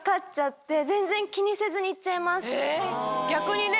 え逆にね